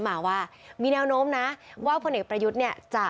มาว่ามีแนวโน้มนะแต่จะ